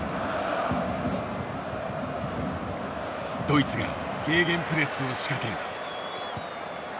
ドイツがゲーゲンプレスを仕掛ける。